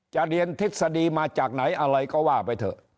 เรียนทฤษฎีมาจากไหนอะไรก็ว่าไปเถอะ